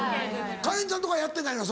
カレンちゃんとこはやってないの？